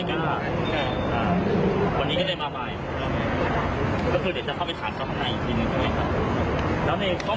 ข้อมูลหรอขาดในมูลสิเรามีแอปมีอะไรลงบิน